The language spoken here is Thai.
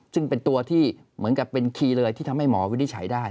ซึ่งเป็นตัวที่เหมือนกับเป็นคีย์เลยที่ทำให้หมอวินิจฉัยได้